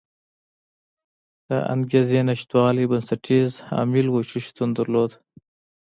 د انګېزې نشتوالی بنسټیز عامل و چې شتون درلود.